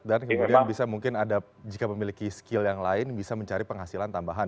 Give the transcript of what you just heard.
dan kemudian bisa mungkin ada jika memiliki skill yang lain bisa mencari penghasilan tambahan